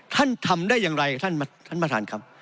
ท่านทำได้อย่างไรท่านประธานครับ